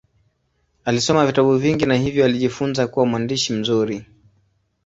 Alisoma vitabu vingi na hivyo alijifunza kuwa mwandishi mzuri.